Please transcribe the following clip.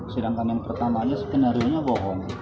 sedangkan yang pertama aja skenario nya bohong